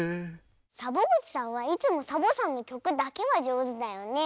サボぐちさんはいつもサボさんのきょくだけはじょうずだよね。